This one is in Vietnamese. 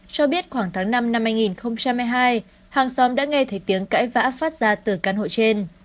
cho biết khoảng tháng năm năm hai nghìn hai mươi hai hàng xóm đã nghe thấy tiếng cãi vã phát ra từ căn hộ trên